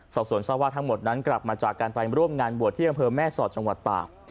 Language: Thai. เสาสวนสะวาททั้งหมดนั้นกลับมาจากการไปร่วมงานบวชที่อำเภอแม่ศรจังหวัดต่าง